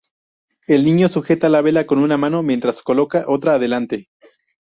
El niño sujeta la vela con una mano, mientras coloca otra delante.